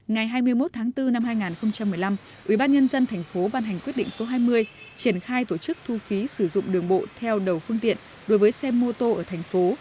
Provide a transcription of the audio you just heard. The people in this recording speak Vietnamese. ngày hai mươi một tháng bốn năm hai nghìn một mươi năm ubnd tp ban hành quyết định số hai mươi triển khai tổ chức thu phí sử dụng đường bộ theo đầu phương tiện đối với xe mô tô ở thành phố